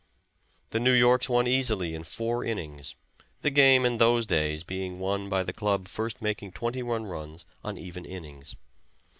The New Yorks won easily in four innings, the game in those days being won by the club first making twenty one runs on even innings.